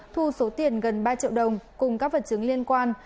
thu số tiền gần ba triệu đồng cùng các vật chứng liên quan